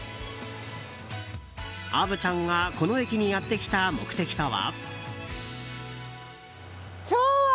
虻ちゃんがこの駅にやってきた目的とは。